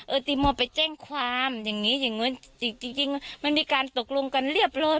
ติโมไปแจ้งความอย่างนี้อย่างนู้นจริงจริงมันมีการตกลงกันเรียบร้อย